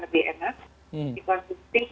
lebih enak dikonsumsi